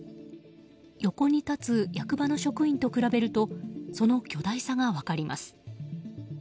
横に立つ役場の職員と比べるとその巨大さが分かります。